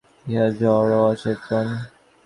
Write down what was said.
এই দেহ জড়পরমাণু-গঠিত, আর ইহা জড় ও অচেতন।